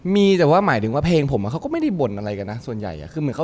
มีแต่ว่าหมายถึงเพลงผมก็ไม่ได้บ่นอะไรกันนะส่วนใหญ่